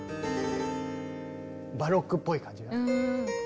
バロックっぽい感じが。